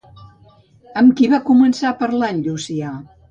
Amb qui va començar a parlar en Llucià?